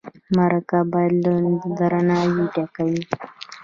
مرکه باید له درناوي ډکه وي.